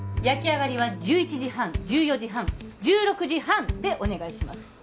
焼き上がりは１１時半１４時半１６時半でお願いします